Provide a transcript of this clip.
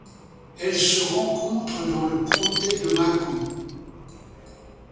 Elle se rencontre dans le comté de Macon.